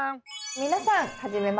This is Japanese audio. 皆さんはじめまして。